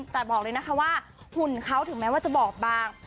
แต่บอกเลยนะคะว่าหุ่นเขาถึงแม้ว่าจะบอกบาง